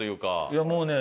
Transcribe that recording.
いやもうね。